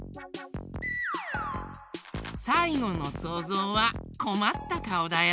さいごのそうぞうはこまったかおだよ。